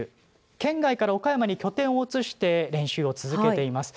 県外から岡山に拠点を移して練習を続けています。